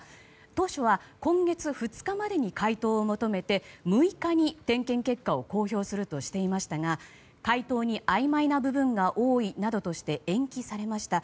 当初は今月２日までに回答を求めて、６日に点検結果を公表するとしていましたが回答にあいまいな部分が多いなどとして延期されました。